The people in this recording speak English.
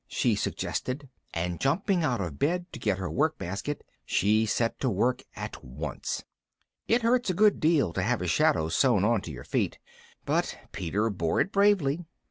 she suggested, and, jumping out of bed to get her work basket, she set to work at once. It hurts a good deal to have a shadow sewn on to your feet, but Peter bore it bravely.